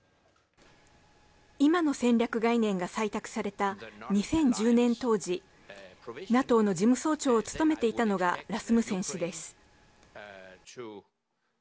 今の戦略概念が採択された２０１０年当時ＮＡＴＯの事務総長を務めていたのがラスムセン氏です。